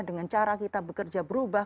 dengan cara kita bekerja berubah